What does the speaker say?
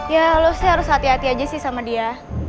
ya lo sih harus hati hati aja sih sama dia